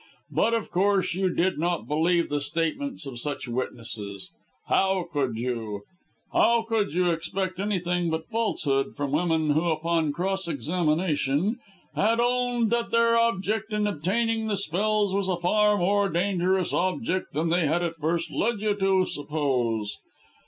But, of course you did not believe the statements of such witnesses. How could you? How could you expect anything but falsehood from women who, upon cross examination, had owned that their object in obtaining the spells was a far more dangerous object than they had at first led you to suppose.